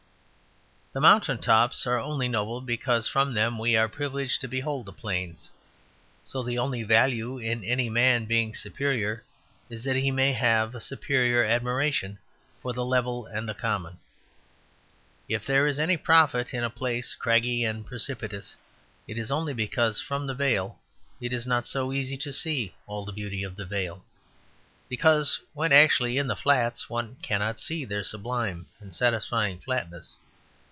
The mountain tops are only noble because from them we are privileged to behold the plains. So the only value in any man being superior is that he may have a superior admiration for the level and the common. If there is any profit in a place craggy and precipitous it is only because from the vale it is not easy to see all the beauty of the vale; because when actually in the flats one cannot see their sublime and satisfying flatness.